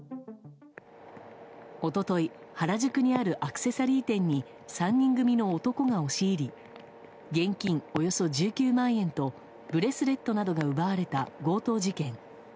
一昨日、原宿にあるアクセサリー店に３人組の男が押し入り現金およそ１９万円とブレスレットなどが奪われた強盗事件。